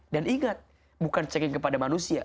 dan ingat bukan cengeng kepada manusia